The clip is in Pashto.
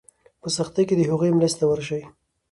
په سختۍ کې د هغوی مرستې ته ورشئ.